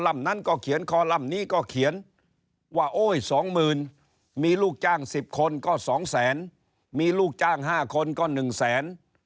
มีลูกจ้างสิบคนก็สองแสนมีลูกจ้างห้าคนก็หนึ่งแสน